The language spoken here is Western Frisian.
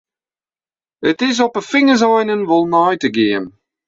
It is op 'e fingerseinen wol nei te gean.